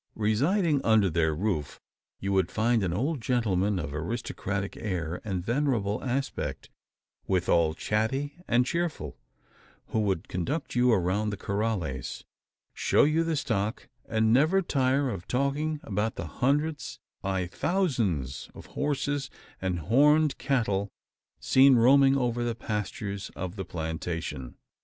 Residing under their roof you would find an old gentleman, of aristocratic air and venerable aspect withal chatty and cheerful who would conduct you around the corrales, show you the stock, and never tire of talking about the hundreds ay thousands of horses and horned cattle, seen roaming over the pastures of the plantation.